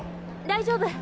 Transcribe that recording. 大丈夫。